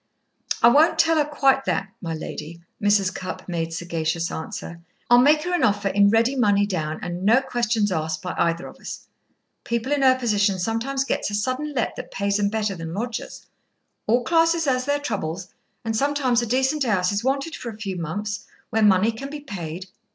"I won't tell her quite that, my lady," Mrs. Cupp made sagacious answer. "I'll make her an offer in ready money down, and no questions asked by either of us. People in her position sometimes gets a sudden let that pays them better than lodgers. All classes has their troubles, and sometimes a decent house is wanted for a few months, where money can be paid.